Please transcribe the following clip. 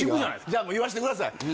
じゃあもう言わして下さい。